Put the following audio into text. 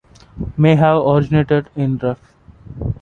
May have originated in ref.